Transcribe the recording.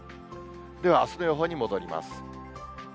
ではあすの予報に戻ります。